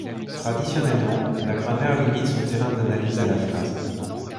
Traditionnellement, la grammaire limite son terrain d'analyse à la phrase.